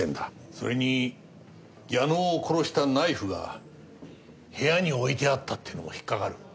それに矢野を殺したナイフが部屋においてあったっていうも引っかかる。